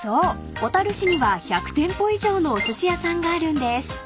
小樽市には１００店舗以上のおすし屋さんがあるんです］